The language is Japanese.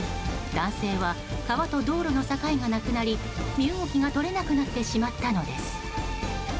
男性は川と道路の境がなくなり身動きが取れなくなってしまったのです。